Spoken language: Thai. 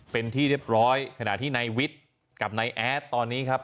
เป็นที่เรียบร้อยขณะที่นายวิทย์กับนายแอดตอนนี้ครับ